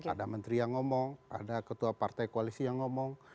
ada menteri yang ngomong ada ketua partai koalisi yang ngomong